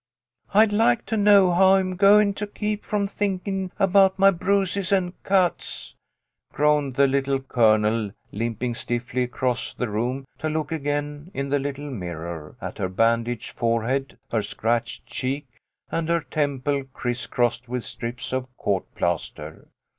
" I'd like to know how I'm goin' to keep from thinkin' about my bruises and cuts," groaned the Little Colonel, limping stiffly across the room to look again in the little mirror, at her bandaged fore head, her scratched cheek, and her temple, criss crossed with strips of court plaster.